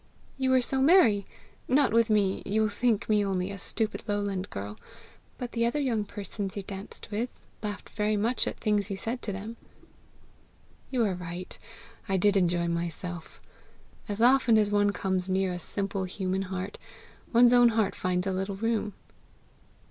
"You were so merry not with me you think me only a stupid lowland girl; but the other young persons you danced with, laughed very much at things you said to them." "You are right; I did enjoy myself. As often as one comes near a simple human heart, one's own heart finds a little room."